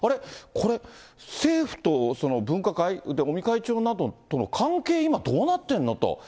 これ、政府と分科会、尾身会長などとの関係、今、どうなってんの？と。